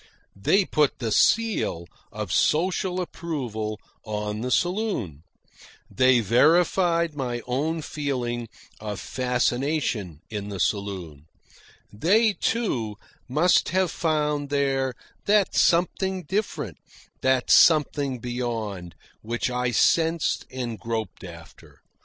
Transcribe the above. They put the seal of social approval on the saloon. They verified my own feeling of fascination in the saloon. They, too, must have found there that something different, that something beyond, which I sensed and groped after.